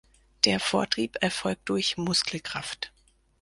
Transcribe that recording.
Der Vortrieb erfolgt durch Muskelkraft.